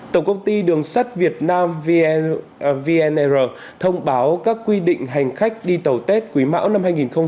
tổng công ty đường sắt việt nam vnr thông báo các quy định hành khách đi tàu tết quý mão năm hai nghìn hai mươi